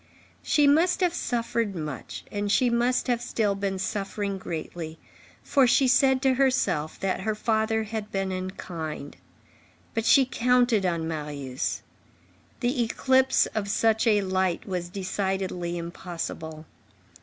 She must have suffered much, and she must have still been suffering greatly, for she said to herself, that her father had been unkind; but she counted on Marius. The eclipse of such a light was decidedly impossible.